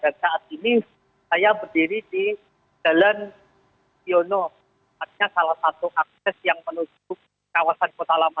saat ini saya berdiri di jalan yono artinya salah satu akses yang menuju kawasan kota lama